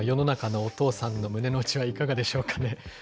今、世の中のお父さんの胸の内はいかがでしょうかね。